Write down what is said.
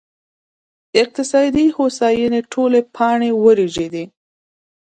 اقتصادي هوساینې ټولې پاڼې ورژېدې